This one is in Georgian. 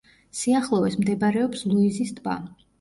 სიახლოვეს მდებარეობს ლუიზის ტბა.